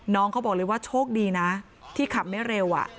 น้องเขาบอกเลยว่าโชคดีนะที่ขับไม่เร็ว